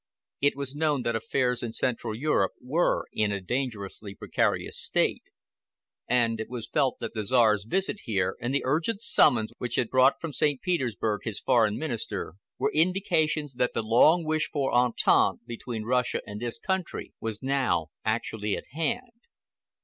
It was known that affairs in Central Europe were in a dangerously precarious state, and it was felt that the Czar's visit here, and the urgent summons which had brought from St. Petersburg his Foreign Minister, were indications that the long wished for entente between Russia and this country was now actually at hand.